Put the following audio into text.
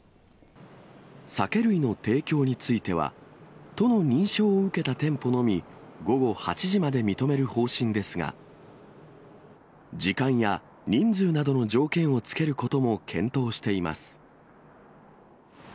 酒類の提供については、都の認証を受けた店舗のみ、午後８時まで認める方針ですが、時間や人数などの条件を付けることも検討しています。